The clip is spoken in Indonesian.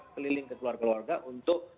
keliling keluar keluarga untuk